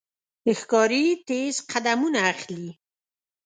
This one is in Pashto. ښکاري تیز قدمونه اخلي.